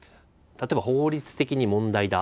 例えば法律的に問題だ。